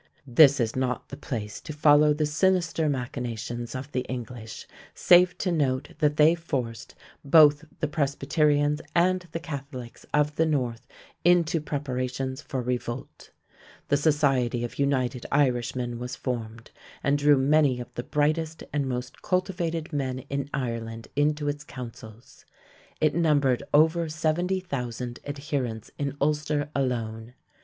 This is not the place to follow the sinister machinations of the English, save to note that they forced both the Presbyterians and the Catholics of the north into preparations for revolt. The Society of United Irishmen was formed, and drew many of the brightest and most cultivated men in Ireland into its councils. It numbered over 70,000 adherents in Ulster alone.